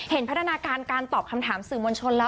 พัฒนาการการตอบคำถามสื่อมวลชนแล้ว